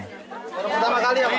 pertama kali ya pak